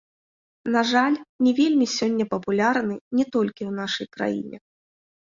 На жаль, не вельмі сёння папулярны не толькі ў нашай краіне.